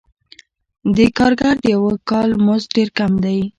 د کارګر د یوه کال مزد ډېر کم دی